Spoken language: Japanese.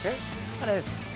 あれです。